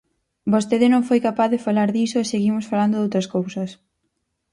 Vostede non foi capaz de falar diso e seguimos falando doutras cousas.